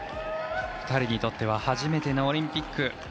２人にとっては初めてのオリンピック。